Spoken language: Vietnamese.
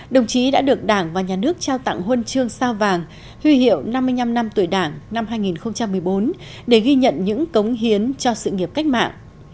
đồng chí đã được đảng và nhà nước trao tặng huân chương sao vàng huy hiệu năm mươi năm năm tuổi đảng năm hai nghìn một mươi bốn để ghi nhận những cống hiến cho sự nghiệp cách mạng